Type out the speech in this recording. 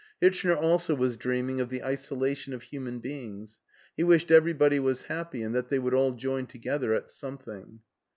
Hirchner also was dreaming of the isolation of human beings; he wished everybody was happy and that they would all join together at something.